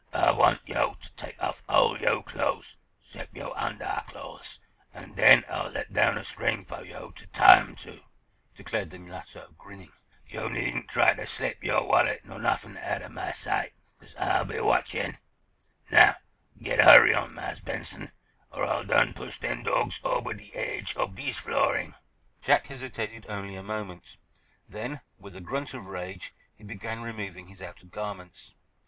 "Ah want yo' to take off all yo' clothes 'cept yo' undahclothes, an' den Ah'll let down a string fo' yo' to tie 'em to," declared the mulatto, grinning. "Yo' needn't try ter slip yo' wallet, nor nuffin' outer mah sight, cause Ah'll be watchin'. Now, git a hurry on, Marse Benson, or Ah'll done push dem dawgs ober de aidge ob dis flooring." Jack hesitated only a moment. Then, with a grunt of rage, he began removing his outer garments.